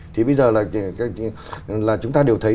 thì bây giờ là chúng ta đều thấy